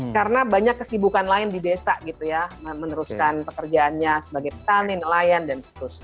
karena banyak kesibukan lain di desa gitu ya meneruskan pekerjaannya sebagai petani nelayan dan seterusnya